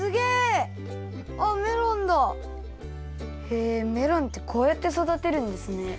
へえメロンってこうやってそだてるんですね。